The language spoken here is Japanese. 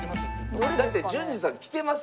だって純次さん来てますよ